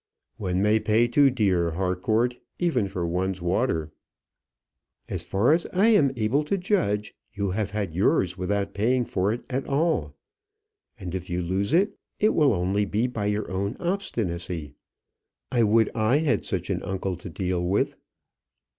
"One may pay too dear, Harcourt, even for one's water." "As far as I am able to judge, you have had yours without paying for it at all; and if you lose it, it will only be by your own obstinacy. I would I had such an uncle to deal with."